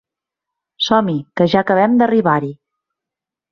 Som-hi, que ja acabem d'arribar-hi.